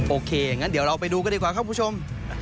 โอเคอย่างนั้นเดี๋ยวเราไปดูกันดีกว่าครับคุณผู้ชม